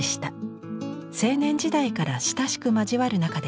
青年時代から親しく交わる仲でした。